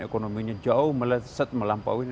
ekonominya jauh meleset melampaui